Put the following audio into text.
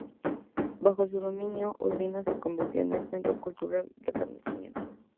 Bajo su dominio, Urbino se convirtió en centro cultural del Renacimiento.